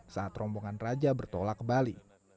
saat rombongan raja bertolak ke bali